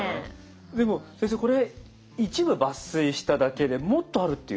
でも先生これ一部抜粋しただけでもっとあるっていう？